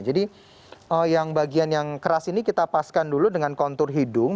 jadi yang bagian yang keras ini kita paskan dulu dengan kontur hidung